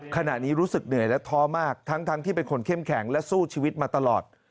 ขณะนี้รู้สึกเหนื่อยและท้อมากทั้งที่เป็นคนเข้มแข็งและสู้ชีวิตมาตลอด